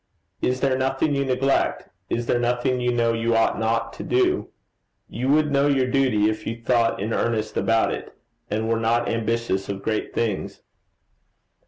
Is there nothing you neglect? Is there nothing you know you ought not to do? You would know your duty, if you thought in earnest about it, and were not ambitious of great things.'